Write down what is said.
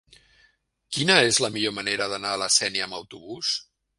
Quina és la millor manera d'anar a la Sénia amb autobús?